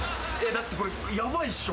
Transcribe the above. だってこれヤバいっしょ。